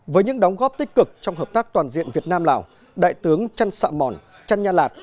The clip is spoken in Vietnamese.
với những đóng góp tích cực trong hợp tác toàn diện việt nam lào đại tướng trân sạ mòn trân nha lạt